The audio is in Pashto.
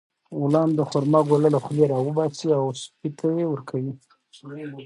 غلام د خورما ګوله له خولې راوباسي او سپي ته یې ورکوي.